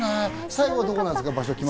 最後はどこなんですか？